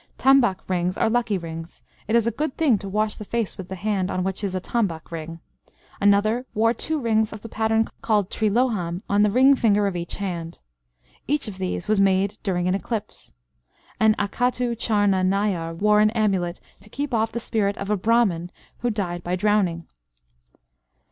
Tambak rings are lucky rings. It is a good thing to wash the face with the hand, on which is a tambak ring. Another wore two rings of the pattern called triloham on the ring finger of each hand. Each of these was made during an eclipse. An Akattu Charna Nayar wore an amulet, to keep off the spirit of a Brahman who died by drowning."